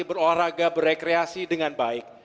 berolahraga berrekreasi dengan baik